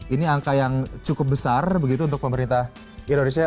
ini angka yang cukup besar begitu untuk pemerintah indonesia